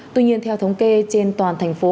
tuy nhiên theo thống kê trên toàn thành phố